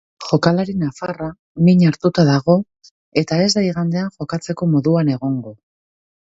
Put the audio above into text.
Jokalari nafarra min hartuta dago, eta ez da igandean jokatzeko moduan egongo.